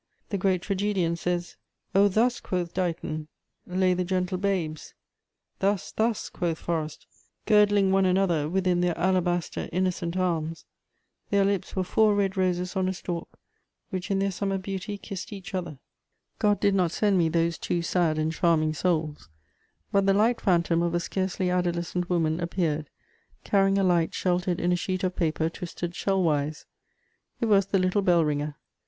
The great tragedian says: "O thus," quoth Dighton, "lay the gentle babes," "Thus, thus," quoth Forrest, "girdling one another Within their alabaster innocent arms: Their lips were four red roses on a stalk, Which, in their summer beauty, kiss'd each other." God did not send me those two sad and charming souls; but the light phantom of a scarcely adolescent woman appeared carrying a light sheltered in a sheet of paper twisted shell wise: it was the little bell ringer.